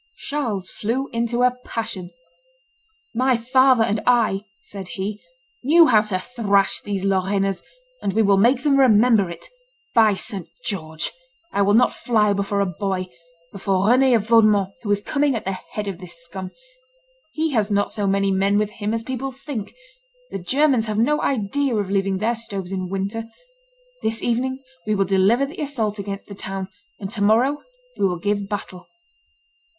Charles flew into a passion. "My father and I," said he, "knew how to thrash these Lorrainers; and we will make them remember it. By St. George! I will not fly before a boy, before Rend of Vaudemont, who is coming at the head of this scum. He has not so many men with him as people think; the Germans have no idea of leaving their stoves in winter. This evening we will deliver the assault against the town, and to morrow we will give battle."